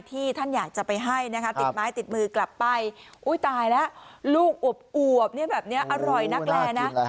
ที่ท่านอยากจะไปให้นะคะติดไม้ติดมือกลับไปอุ้ยตายแล้วลูกอวบแบบนี้อร่อยนักแลนะ